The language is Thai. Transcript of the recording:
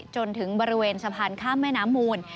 จนถึงบริเวณสะพานข้ามแม่น้ำมูล